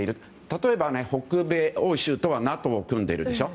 例えば北米、欧州とはＮＡＴＯを組んでいるでしょ。